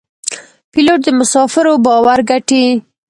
پیلوټ د مسافرو باور ګټي.